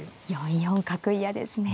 ４四角嫌ですね。